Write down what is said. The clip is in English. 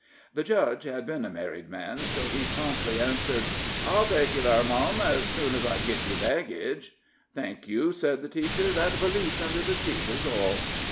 The judge had been a married man, so he promptly answered: "I'll take yer thar, mum, ez soon ez I git yer baggage." "Thank you," said the teacher; "that valise under the seat is all."